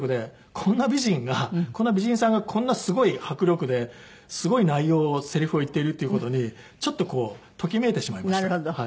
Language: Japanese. こんな美人がこんな美人さんがこんなすごい迫力ですごい内容のセリフを言っているという事にちょっとときめいてしまいまして。